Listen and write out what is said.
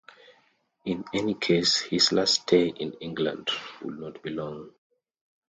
In any case, his last stay in England would not be long.